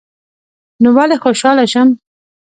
نو ولي خوشحاله شم